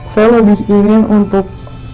saya lebih ingin untuk